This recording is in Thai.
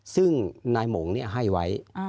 ซึ่งนายหมงให้ไว้